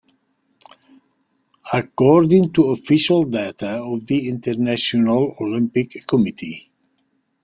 According to official data of the International Olympic Committee.